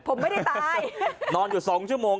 ผมไม่ได้ตายนอนอยู่๒ชั่วโมง